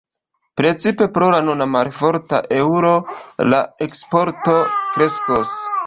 Precipe pro la nuna malforta eŭro la eksporto kreskos.